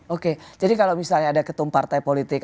oke jadi kalau misalnya ada ketum partai politik